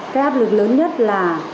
cái áp lực lớn nhất là